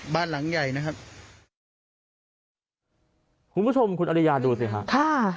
บ้านหลังใหญ่นะครับคุณผู้ชมคุณอริยาดูสิฮะค่ะ